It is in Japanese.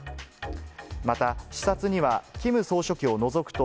また、視察には、キム総書記を除くと、